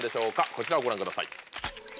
こちらをご覧ください。